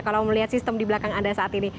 kalau melihat sistem di belakang anda saat ini